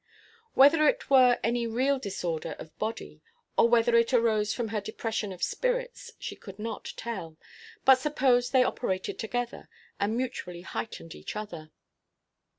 Whether it were any real disorder of body, or whether it arose from her depression of spirits, she could not tell, but supposed they operated together, and mutually heightened each other.